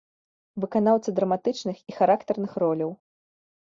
Выканаўца драматычных і характарных роляў.